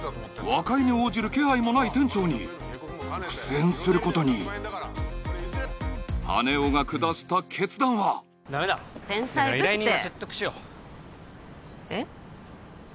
和解に応じる気配もない店長に苦戦することに羽男が下した決断は天才ぶってダメだ依頼人を説得しようえっ？